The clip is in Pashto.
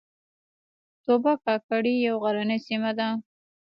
توبه کاکړۍ یوه غرنۍ سیمه ده